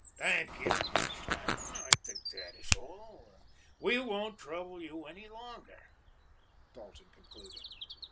"Thank you, Miss Stanton. I think that is all; we won't trouble you any longer," Dalton concluded.